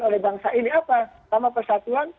oleh bangsa ini apa sama persatuan